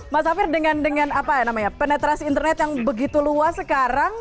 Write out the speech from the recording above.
mas safir dengan penetrasi internet yang begitu luas sekarang